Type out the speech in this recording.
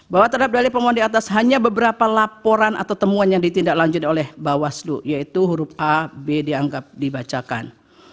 bahwa terhadap dalil pemohon di atas hanya beberapa laporan atau temuan yang ditindaklanjut oleh bawaslu yaitu huruf a b dianggap dibacakan